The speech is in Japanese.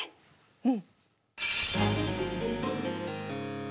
うん。